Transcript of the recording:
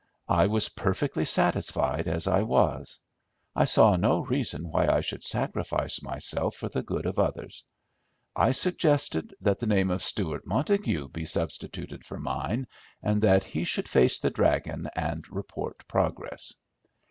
I was perfectly satisfied as I was. I saw no reason why I should sacrifice myself for the good of others. I suggested that the name of Stewart Montague be substituted for mine, and that he should face the "dragon" and report progress.